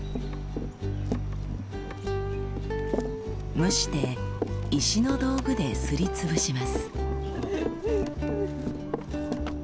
蒸して石の道具ですりつぶします。